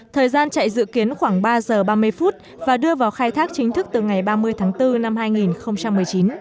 thời gian chạy dự kiến khoảng ba giờ ba mươi phút và đưa vào khai thác chính thức từ ngày ba mươi tháng bốn năm hai nghìn một mươi chín